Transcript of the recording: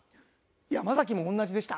山崎も同じでした。